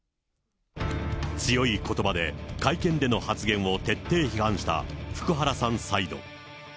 強いことばで会見での発言を徹底批判した福原さんサイド。